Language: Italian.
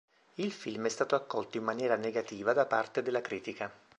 Il film è stato accolto in maniera negativa da parte della critica.